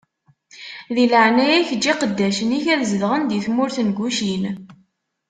Di leɛnaya-k, eǧǧ iqeddacen-ik ad zedɣen di tmurt n Gucin.